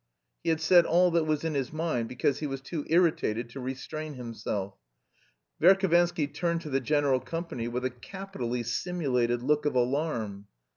He had said all that was in his mind because he was too irritated to restrain himself. Verhovensky turned to the general company with a capitally simulated look of alarm.